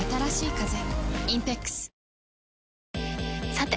さて！